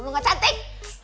lu gak cantik